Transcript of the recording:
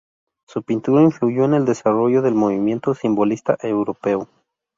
Su pintura influyó en el desarrollo del movimiento simbolista europeo.